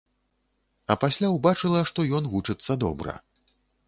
А пасля ўбачыла, што ён вучыцца добра.